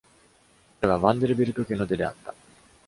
彼は Vanderbilt 家の出であった。